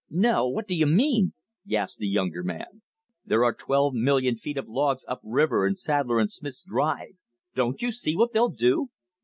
"No, what do you mean?" gasped the younger man. "There are twelve million feet of logs up river in Sadler & Smith's drive. Don't you see what they'll do?"